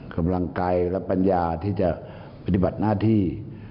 กำลังกายและปัญญาที่จะปฏิบัติหน้าที่